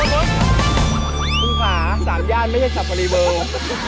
คุณพล่าสามย่านไม่ใช่สรรพรีเบิ้ล